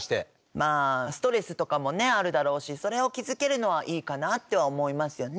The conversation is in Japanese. まあストレスとかもねあるだろうしそれを気付けるのはいいかなとは思いますよね。